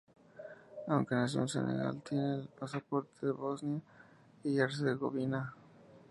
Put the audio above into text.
Aunque nació en Senegal, tiene el pasaporte de Bosnia y Herzegovina.